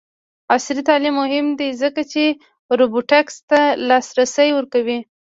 عصري تعلیم مهم دی ځکه چې روبوټکس ته لاسرسی ورکوي.